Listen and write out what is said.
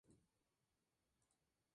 Conserva su vegetación original.